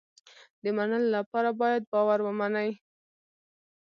د منلو لپاره باید باور ومني.